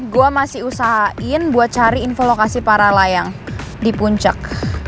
gue masih usahain buat cari info lokasi para layang di puncak